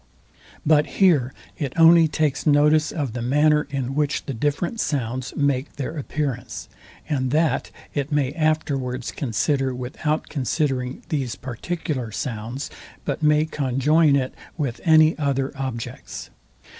But here it only takes notice of the manner, in which the different sounds make their appearance; and that it may afterwards consider without considering these particular sounds, but may conjoin it with any other objects.